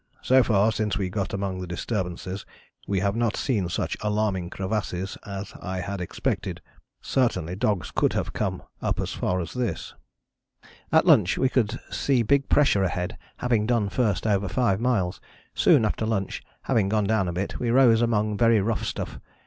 So far, since we got among the disturbances we have not seen such alarming crevasses as I had expected; certainly dogs could have come up as far as this." [Illustration: MOUNT PATRICK E. A. Wilson, del.] "At lunch we could see big pressure ahead having done first over five miles. Soon after lunch, having gone down a bit, we rose among very rough stuff.